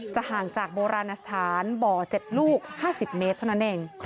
ห่างจากโบราณสถานบ่อ๗ลูก๕๐เมตรเท่านั้นเอง